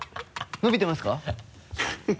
伸びてますか？